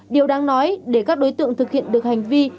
điều đáng nói để các đối tượng thực hiện được hành vi